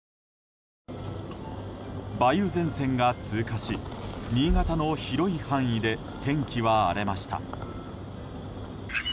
梅雨前線が通過し、新潟の広い範囲で天気は荒れました。